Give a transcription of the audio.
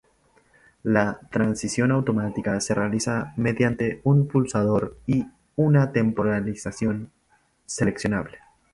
La transición automática se realiza mediante un pulsador y una temporización seleccionable.